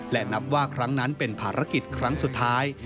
และนับว่าครั้งนั้นเป็นภารกิจครั้งสุดท้าย